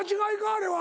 あれは。